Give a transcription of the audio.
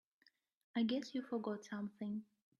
I guess you forgot something.